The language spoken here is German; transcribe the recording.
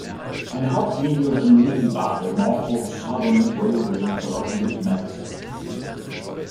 Eine Hauptlinie und eine Nebenbahn der Norfolk Southern Railway verlaufen durch Madison.